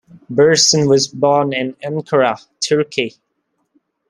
Birsen was born in Ankara, Turkey.